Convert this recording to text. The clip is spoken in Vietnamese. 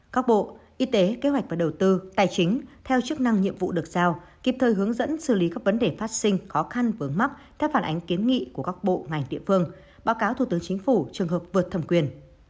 các bộ y tế kế hoạch và đầu tư tài chính theo chức năng nhiệm vụ được giao kịp thời hướng dẫn xử lý các vấn đề phát sinh khó khăn vướng mắc theo phản ánh kiến nghị của các bộ ngành địa phương báo cáo thủ tướng chính phủ trường hợp vượt thẩm quyền